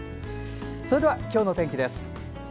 それでは今日の天気です。